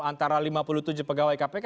antara lima puluh tujuh pegawai kpk